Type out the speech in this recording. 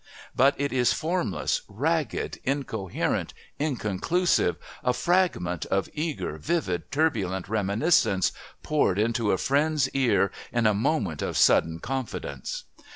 But it is formless, ragged, incoherent, inconclusive, a fragment of eager, vivid, turbulent reminiscence poured into a friend's ear in a moment of sudden confidence.